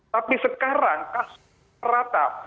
tapi sekarang kasusnya rata